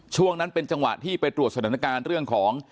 ช่วงนั้นเป็นจังหวะที่ไปตรวจสถานการณ์เรื่องของ